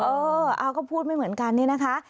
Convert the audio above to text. เออเอาก็พูดไม่เหมือนกันนี่นะคะ